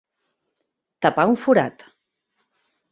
Tapar un forat.